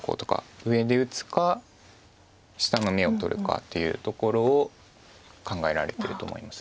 上で打つか下の眼を取るかというところを考えられてると思います。